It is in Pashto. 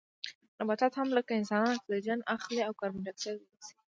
نباتات هم لکه انسانان اکسیجن اخلي او کاربن ډای اکسایډ وباسي